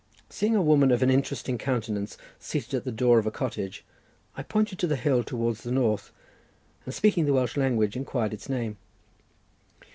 Seeing a woman of an interesting countenance seated at the door of a cottage, I pointed to the hill towards the north, and speaking the Welsh language, inquired its name.